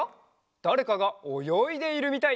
だれかがおよいでいるみたい！